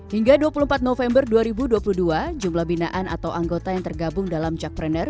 hingga dua puluh empat november dua ribu dua puluh dua jumlah binaan atau anggota yang tergabung dalam jackpreneur